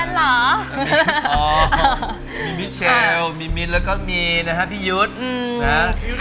มีมิเชลมิมิสแล้วก็มีนะครับพี่ยุทธ